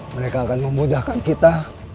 mereka akan memudahkan kita